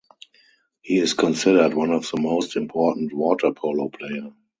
He is considered one of the most important waterpolo player.